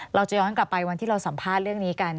เราจะย้อนกลับไปวันที่เราสัมภาษณ์เรื่องนี้กัน